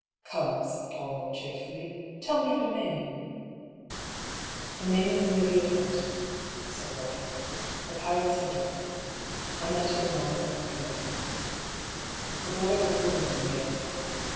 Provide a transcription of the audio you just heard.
79 " Come," said Paull, more cheerfully, " tell me her name ?"" Her name is Olivia Fenton," said Roderick. " Her parents are dead. I met her when I was at the Curragh. Her brother holds a living near there.